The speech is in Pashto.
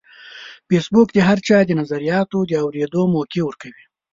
فېسبوک د هر چا د نظریاتو د اورېدو موقع ورکوي